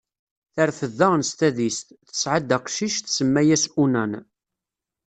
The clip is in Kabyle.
Terfed daɣen s tadist, tesɛa-d aqcic, tsemma-as Unan.